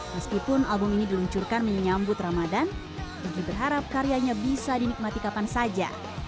meskipun album ini diluncurkan menyambut ramadan joggie berharap karyanya bisa dinikmati kapan saja